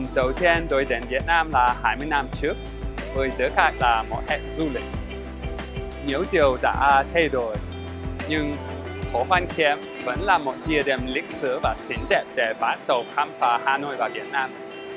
đây là một thịa đềm lịch sử và xín đẹp để bắt đầu khám phá hà nội và việt nam